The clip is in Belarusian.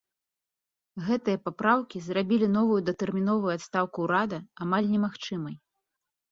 Гэтыя папраўкі зрабілі новую датэрміновую адстаўку ўрада амаль немагчымай.